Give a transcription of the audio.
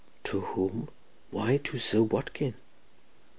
"To whom? why, to Sir Watkin."